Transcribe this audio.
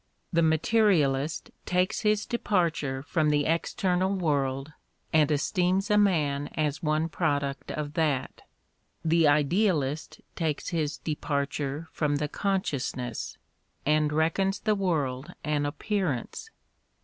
... The materialist takes his departure from the external world and esteems a man as one product of that ; the idealist takes his departure from his consciousness, and reckons the world an appearance.